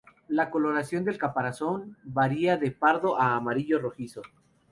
La coloración del caparazón varía de pardo a amarillo rojizo.